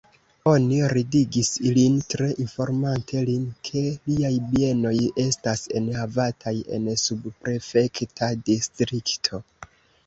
Oni ridigis lin tre, informante lin, ke liaj bienoj estas enhavataj en subprefekta distrikto.